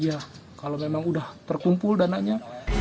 iya kalau memang udah terkumpul dananya